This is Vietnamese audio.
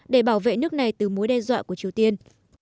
để bảo vệ nước này từ mối đe dọa của triều tiên